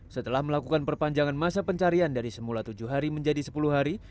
setelah melakukan perpanjangan masa pencarian dari semula tujuh hari menjadi sepuluh hari